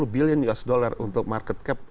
satu billion usd untuk market cap